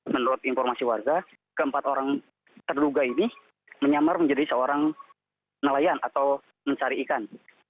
menurut informasi warga keempat orang terduga ini menyamar menjadi seorang nelayan atau mencari ikan